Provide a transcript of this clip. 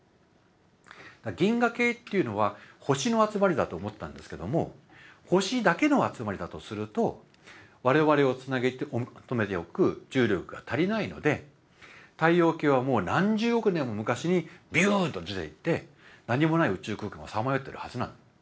銀河系っていうのは星の集まりだと思ったんですけども星だけの集まりだとすると我々をつなぎ止めておく重力が足りないので太陽系はもう何十億年も昔にビューンと出ていって何もない宇宙空間をさまよってるはずなの。